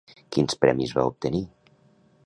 Quins premis va obtenir?